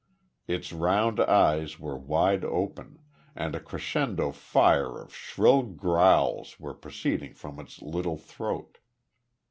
Its round eyes were wide open, and a crescendo fire of shrill growls were proceeding from its little throat.